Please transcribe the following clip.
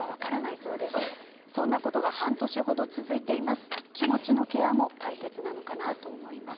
そんなことが半年程続いています。